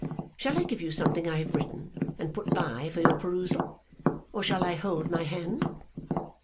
Shall I give you something I have written and put by for your perusal, or shall I hold my hand?